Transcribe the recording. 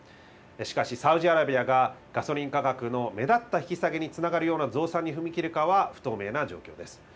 しかし、サウジアラビアがガソリン価格の目立った引き下げにつながるような増産に踏み切るかは不透明な状況です。